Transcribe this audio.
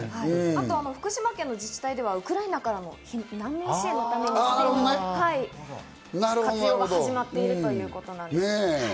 あと福島県の自治体ではウクライナからの難民支援での活用も始まっているということなんです。